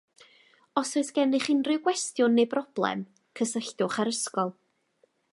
Os oes genych unrhyw gwestiwn neu broblem, cysylltwch â'r ysgol.